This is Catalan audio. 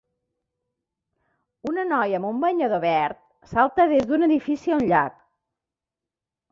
Una noia amb un banyador verd salta des d'un edifici a un llac.